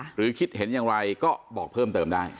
หรือคิดเห็นอย่างไรก็บอกเพิ่มเติมได้